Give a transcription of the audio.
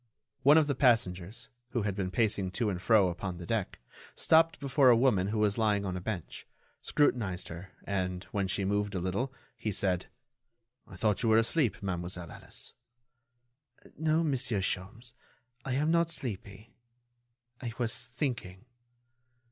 One of the passengers, who had been pacing to and fro upon the deck, stopped before a woman who was lying on a bench, scrutinized her, and, when she moved a little, he said: "I thought you were asleep, Mademoiselle Alice." "No, Monsieur Sholmes, I am not sleepy. I was thinking."